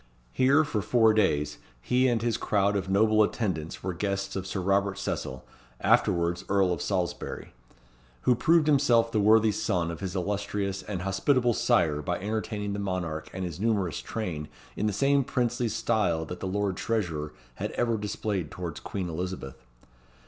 Here, for four days, he and his crowd of noble attendants were guests of Sir Robert Cecil, afterwards Earl of Salisbury, who proved himself the worthy son of his illustrious and hospitable sire by entertaining the monarch and his numerous train in the same princely style that the Lord Treasurer had ever displayed towards Queen Elizabeth.